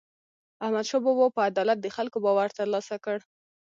احمدشاه بابا په عدالت د خلکو باور ترلاسه کړ.